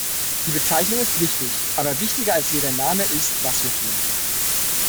Die Bezeichnung ist wichtig, aber wichtiger als jeder Name ist, was wir tun.